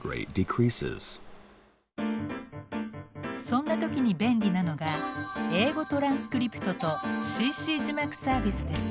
そんな時に便利なのが「英語トランスクリプト」と「ＣＣ字幕」サービスです。